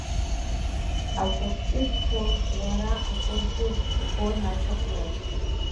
Акәырҷыжь хәы, уара, акәырҷыжь, игон ашә аҟнытә.